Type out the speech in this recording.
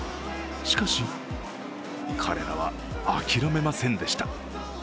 しかし、彼らは諦めませんでした。